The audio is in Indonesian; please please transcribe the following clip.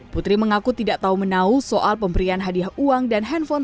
putri mengaku tidak tahu menau soal pemberian hadiah uang dan handphone